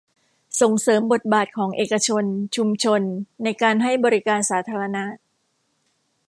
ส่งเสริมบทบาทของเอกชน ชุมชน ในการให้บริการสาธารณะ